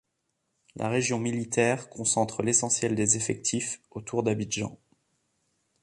La région militaire concentre l'essentiel des effectifs, autour d'Abidjan.